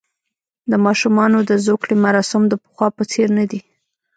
د ماشومانو د زوکړې مراسم د پخوا په څېر نه دي.